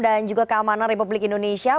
dan juga keamanan republik indonesia